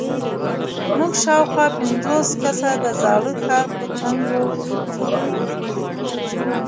موږ شاوخوا پنځوس کسه د زاړه ښار په تنګو کوڅو کې وو.